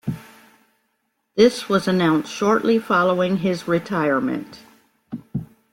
This was announced shortly following his retirement.